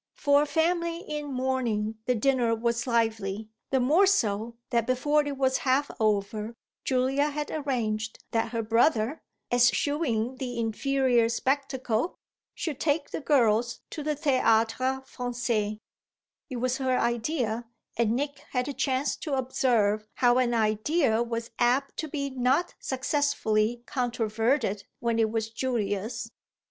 For a family in mourning the dinner was lively; the more so that before it was half over Julia had arranged that her brother, eschewing the inferior spectacle, should take the girls to the Théâtre Français. It was her idea, and Nick had a chance to observe how an idea was apt to be not successfully controverted when it was Julia's.